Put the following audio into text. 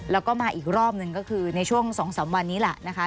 แล้วก็มาอีกรอบหนึ่งก็คือในช่วง๒๓วันนี้แหละนะคะ